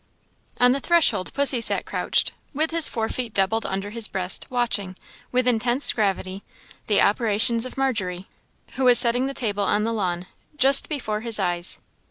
On the threshold pussy sat crouched, with his forefeet doubled under his breast, watching, with intense gravity, the operations of Margery, who was setting the table on the lawn, just before his eyes.